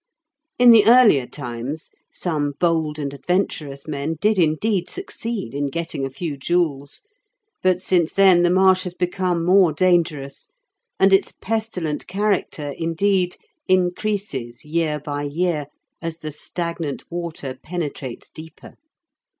In the earlier times some bold and adventurous men did indeed succeed in getting a few jewels, but since then the marsh has become more dangerous, and its pestilent character, indeed, increases year by year, as the stagnant water penetrates deeper.